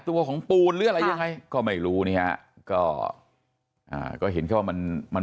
ตัวของปูนหรืออะไรยังไงก็ไม่รู้เนี่ยก็อ่าก็เห็นแค่ว่ามันมัน